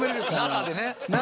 ＮＡＳＡでね。